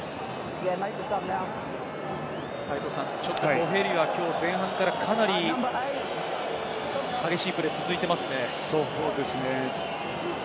ボフェリは前半からかなり激しいプレーが続いていますね。